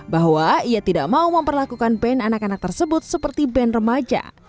bahwa ia tidak mau memperlakukan band anak anak tersebut seperti band remaja